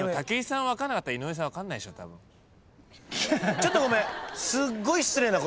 ちょっとごめん。